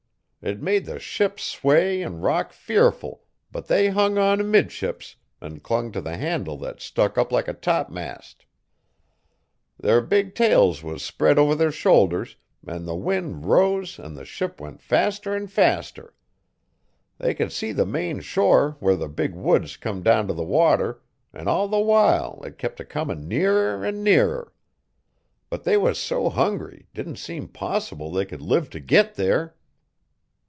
It made the ship sway an' rock fearful but they hung on 'midships, an' clung t' the handle that stuck up like a top mast. Their big tails was spread over their shoulders, an' the wind rose an' the ship went faster 'n faster. They could see the main shore where the big woods come down t' the water 'n' all the while it kep' a comin' nearer 'n' nearer. But they was so hungry didn't seem possible they could live to git there.